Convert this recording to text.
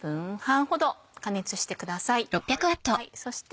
そして。